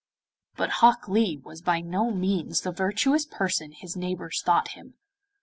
But Hok Lee was by no means the virtuous person his neighbours thought him.